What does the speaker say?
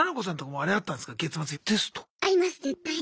あります絶対に。